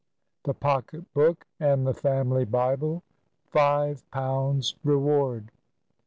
THE POCKET BOOK AND THE FAMILY BIBLE.—FIVE POUNDS' REWARD.